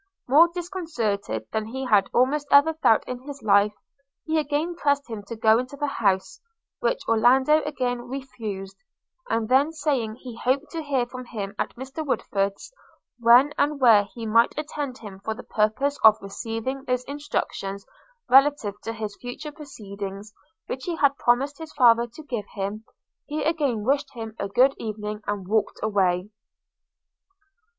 More disconcerted than he had almost ever felt in his life, he again pressed him to go into the house, which Orlando again refused; and then saying he hoped to hear from him at Mr Woodford's, when and where he might attend him for the purpose of receiving those instructions relative to his future proceedings which he had promised his father to give him, he again wished him a good evening, and walked away.